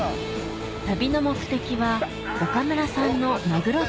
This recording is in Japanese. ・旅の目的は岡村さんのマグロ